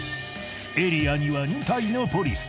［エリアには２体のポリス。